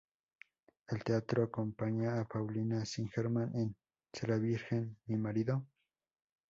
En teatro acompañó a Paulina Singerman en "¿Será virgen mi marido?